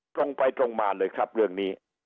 ตรงไปตรงมาเลยครับเรื่องนี้